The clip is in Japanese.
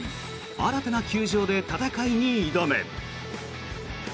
新たな球場で戦いに挑む。